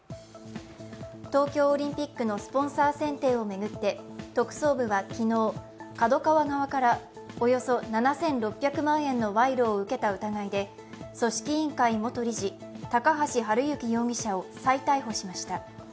東京オリンピックのスポンサー選定を巡って特捜部は昨日、ＫＡＤＯＫＡＷＡ側からおよそ７６００万円の賄賂を受けた疑いで組織委員会元理事・高橋治之容疑者を再逮捕しました。